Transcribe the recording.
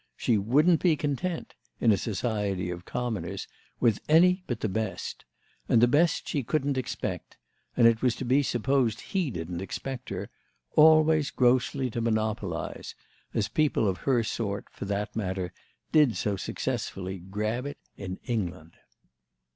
She wouldn't be content—in a society of commoners—with any but the best; and the best she couldn't expect (and it was to be supposed he didn't expect her) always grossly to monopolise; as people of her sort, for that matter, did so successfully grab it in England.